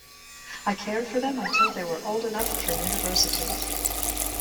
I cared for them until they were old enough for University.